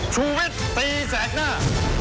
ชูวิทย์ตีแสกหน้า